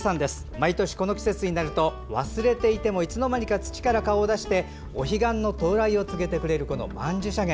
毎年、この季節になると忘れていてもいつの間にか土から顔を出してお彼岸の到来を告げてくれるまんじゅしゃげ。